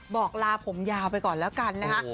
ลาผมยาวไปก่อนแล้วกันนะคะ